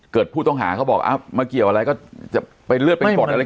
เกิดผู้ต้องหาเขาบอกอ้าวมาเกี่ยวอะไรก็จะไปเลือดเป็นกรด